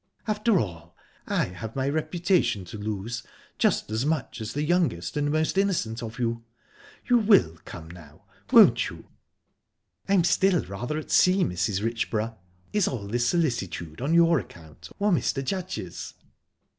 After all, I have my reputation to lose, just as much as the youngest and most innocent of you...You will come now, won't you?" "I'm still rather at sea, Mrs. Richborough. Is all this solicitude on your account, or Mr. Judge's?"